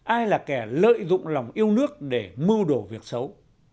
ai là kẻ lợi dụng lòng yêu nước để mưu đổ việc xấu